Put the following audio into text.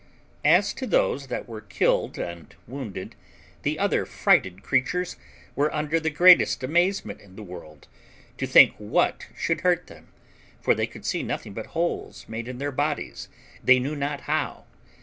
As to those that were killed and wounded, the other frighted creatures were under the greatest amazement in the world, to think what should hurt them, for they could see nothing but holes made in their bodies they knew not how.